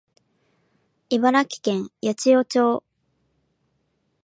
茨城県八千代町